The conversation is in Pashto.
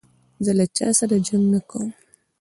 زه له چا سره جنګ نه کوم.